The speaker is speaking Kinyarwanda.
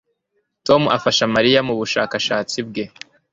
Tom afasha Mariya mubushakashatsi bwe